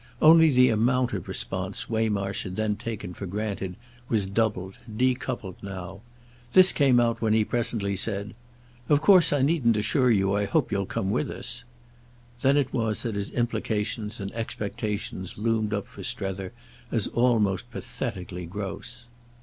Only the amount of response Waymarsh had then taken for granted was doubled, decupled now. This came out when he presently said: "Of course I needn't assure you I hope you'll come with us." Then it was that his implications and expectations loomed up for Strether as almost pathetically gross.